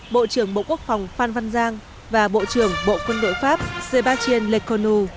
bộ trưởng bộ quốc phòng phan văn giang và bộ trưởng bộ quân đội pháp sébastien lecourneau